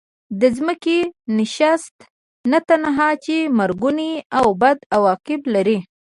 د ځمکې نشست نه تنها چې مرګوني او بد عواقب لري.